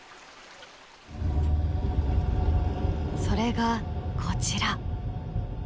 それがこちら。